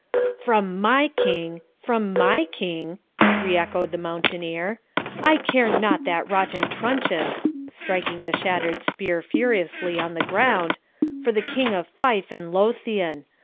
'From MY king from my king!' re echoed the mountaineer. 'I care not that rotten truncheon (striking the shattered spear furiously on the ground) for the King of Fife and Lothian.